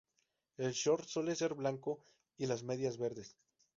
El short suele ser blanco y las medias verdes.